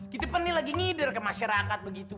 kita kan ini lagi ngider ke masyarakat begitu